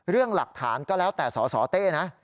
เรื่องหลักฐานก็แล้วแต่สสเต้นะ